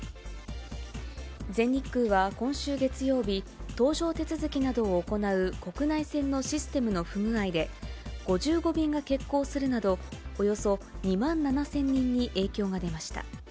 全日空は今週月曜日、搭乗手続きなどを行う国内線のシステムの不具合で、５５便が欠航するなど、およそ２万７０００人に影響が出ました。